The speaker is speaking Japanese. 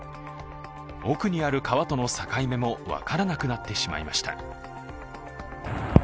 奥にある川との境目も分からなくなってしまいました。